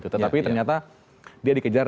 tetapi ternyata dia dikejar